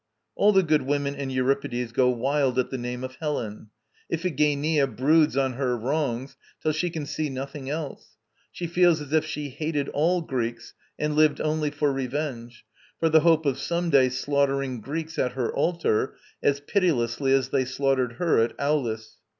All the good women in Euripides go wild at the name of Helen. Iphigenia broods on her wrongs till she can see nothing else; she feels as if she hated all Greeks, and lived only for revenge, for the hope of some day slaughtering Greeks at her altar, as pitilessly as they slaughtered her at Aulis.